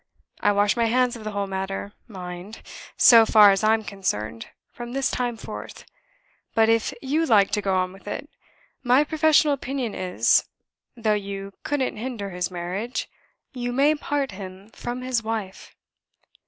I wash my hands of the whole matter, mind, so far as I am concerned, from this time forth. But if you like to go on with it, my professional opinion is (though you couldn't hinder his marriage), you may part him from his wife.